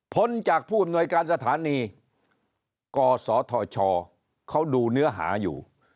จากผู้อำนวยการสถานีกศธชเขาดูเนื้อหาอยู่